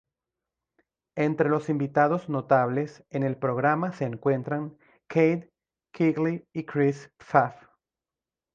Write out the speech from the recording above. Entre los invitados notables en el programa se encuentran Kate Quigley y Chris Pfaff.